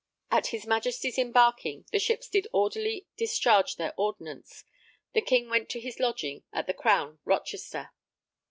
At his Majesty's embarking, the ships did orderly discharge their ordnance. The King went to his lodging at the Crown, Rochester.